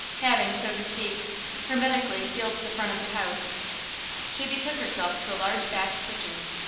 Having, so to speak, hermetically sealed the front of the house, she betook herself to a large back kitchen.